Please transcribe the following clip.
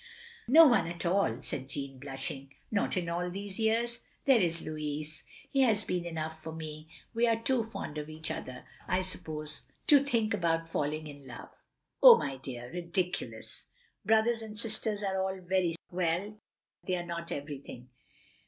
" No one at all, " said Jeanne, blushing. " Not in all these years. " "There is Louis. He has been enough for me. We are too fond of each other, I suppose, to think about falling in love. " "Oh, my dear, — ridiculous! Brothers and sis ters are all very well, but they are not everything.